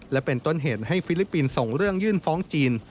และเป็นต้นเหตุให้ฟิลิปปินส์ส่งเรื่องยื่นฟ้องจีน